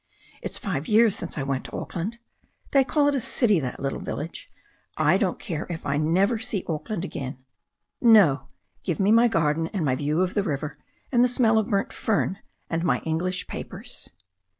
It's five years since I went to Auckland. They call it a city, that little village ! I don't care if I never see 38 THE STORY OF A NEW ZEALAND RIVER it again. No. Give me my garden and my view of the river, and the smell of burnt fern, and my English papers."